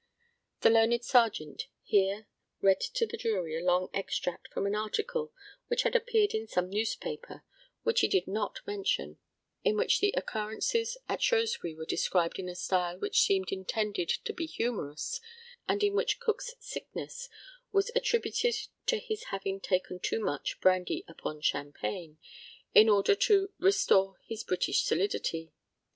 [The learned Serjeant here read to the jury a long extract from an article which had appeared in some newspaper, which he did not mention, in which the occurrences at Shrewsbury were described in a style which seemed intended to be humourous, and in which Cook's sickness was attributed to his having taken too much brandy upon champagne, in order to "restore his British solidity."